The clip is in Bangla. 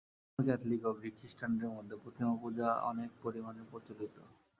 রোমান ক্যাথলিক ও গ্রীক খ্রীষ্টানদের মধ্যে প্রতিমাপূজা অনেক পরিমাণে প্রচলিত।